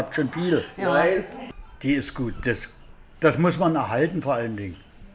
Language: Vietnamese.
công phu và tinh tế